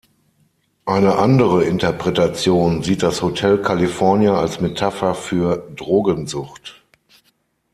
Eine andere Interpretation sieht das Hotel California als Metapher für Drogensucht.